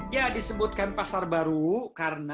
ya disebutkan pasar baru karena